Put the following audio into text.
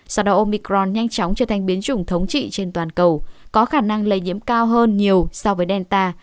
sau đó omicron nhanh chóng trở thành biến chủng thống trị trên toàn cầu có khả năng lây nhiễm cao hơn nhiều so với delta